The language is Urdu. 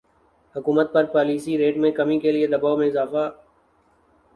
حکومت پر پالیسی ریٹ میں کمی کے لیے دبائو میں اضافہ